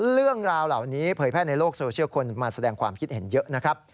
เรื่องราวเหล่านี้เผยแพร่ในโลกโซเชียลคนมาแสดงความคิดเห็นเยอะนะครับ